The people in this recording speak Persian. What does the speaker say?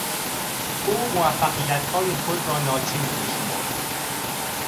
او موفقیتهای خود را ناچیز میشمرد.